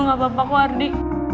gue gak bapak warni